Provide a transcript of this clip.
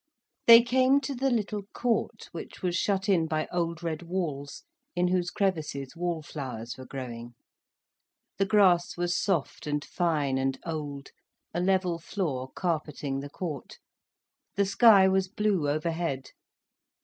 They came to the little court, which was shut in by old red walls in whose crevices wall flowers were growing. The grass was soft and fine and old, a level floor carpeting the court, the sky was blue overhead.